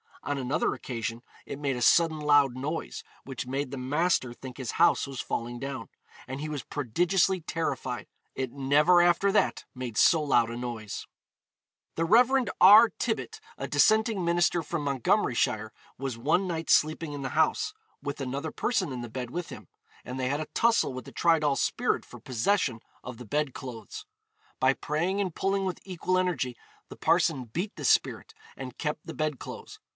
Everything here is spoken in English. On another occasion, it made a sudden loud noise, which made the master think his house was falling down, and he was prodigiously terrified; it never after that made so loud a noise. The Rev. R. Tibbet, a dissenting minister from Montgomeryshire, was one night sleeping in the house, with another person in the bed with him; and they had a tussle with the Tridoll spirit for possession of the bed clothes. By praying and pulling with equal energy, the parson beat the spirit, and kept the bed clothes.